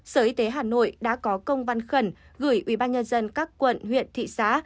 sở y tế hà nội đã có công văn khẩn gửi ubnd các quận huyện thị xã